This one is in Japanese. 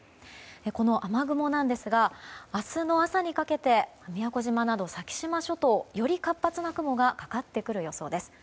この雨雲ですが明日の朝にかけて宮古島など先島諸島により活発な雲がかかってくる予想です。